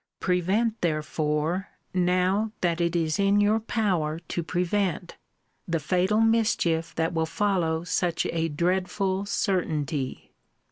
Prevent, therefore, now that it is in your power to prevent, the fatal mischief that will follow such a dreadful certainty.